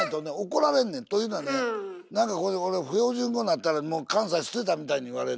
というのはねなんかここで俺標準語なったらもう「関西捨てた」みたいに言われて。